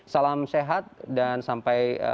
salam sehat dan sampai